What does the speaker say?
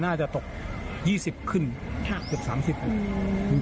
น่าจะตก๒๐๓๐ขึ้น